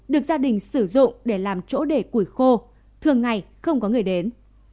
được gia đình sử dụng để làm chỗ để củi khô thường ngày không có người đến